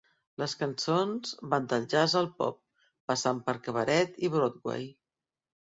Les cançons van del jazz al pop, passant per cabaret i Broadway.